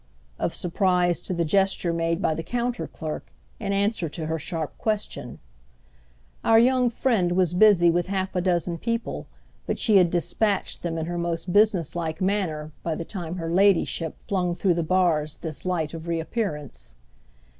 of surprise to the gesture made by the counter clerk in answer to her sharp question. Our young friend was busy with half a dozen people, but she had dispatched them in her most businesslike manner by the time her ladyship flung through the bars this light of re appearance.